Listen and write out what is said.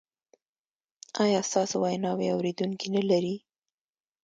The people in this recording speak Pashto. ایا ستاسو ویناوې اوریدونکي نلري؟